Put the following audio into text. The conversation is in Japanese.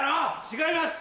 違います。